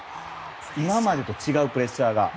今までと違うプレッシャーが。